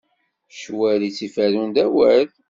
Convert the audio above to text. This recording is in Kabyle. Ccwal i t-iferrun d awal.